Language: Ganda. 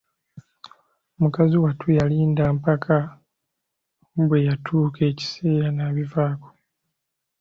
Mukazi wattu yalinda mpaka bwe yatuuka ekiseera n'abivaako.